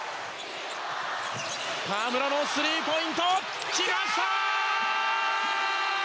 河村のスリーポイント決まった！